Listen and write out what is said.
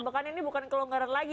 bahkan ini bukan kelonggaran lagi